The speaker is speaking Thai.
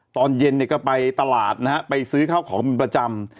ตอนเย็นก็ไปตลาดนะครับไปซื้อข้าวของมันประจำ